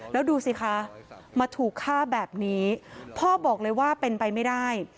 แล้วดูสิคะมาถูกฆ่าแบบนี้พ่อบอกเลยว่าเป็นไปไม่ได้